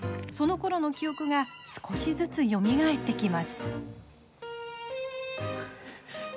そのころの記憶が少しずつよみがえってきます。